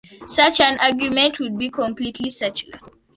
Such an argument would be completely circular.